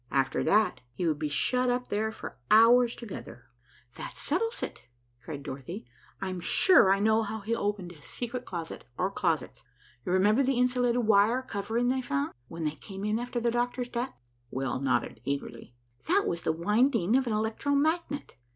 After that he would be shut up there for hours together." "That settles it," cried Dorothy. "I'm sure I know how he opened his secret closet or closets. You remember the insulated wire covering they found, when they came in after the doctor's death." We nodded eagerly. "That was the winding of an electro magnet.